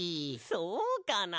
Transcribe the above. そうかな？